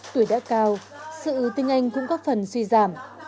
tuổi đã cao sự tinh anh cũng có phần suy giảm